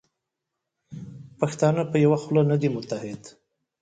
پښتانه په یوه خوله نه دي متحد.